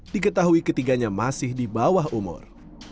diketahui ketiganya masih di bawah umur